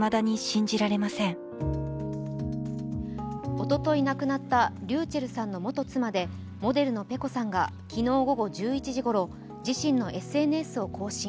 おととい亡くなったｒｙｕｃｈｅｌｌさんの元妻でモデルのｐｅｃｏさんが昨日午後１１時ごろ自身のＳＮＳを更新。